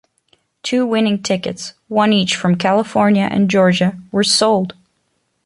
Two winning tickets, one each from California and Georgia, were sold.